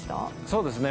そうですね。